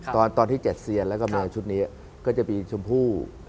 ตอนที่๗เซียนแล้วก็มาชุดนี้ก็จะมีชมพู่